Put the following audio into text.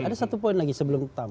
ada satu poin lagi sebelum tam